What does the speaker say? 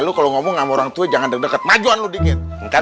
lu kalau ngomong sama orangtua jangan deket deket maju anu dikit ntar